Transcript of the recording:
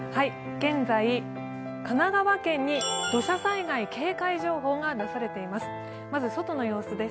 現在、神奈川県に土砂災害警戒情報が出されています。